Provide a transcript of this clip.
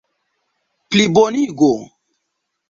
plibonigo